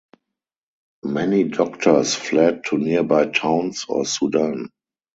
Many doctors fled to nearby towns or Sudan.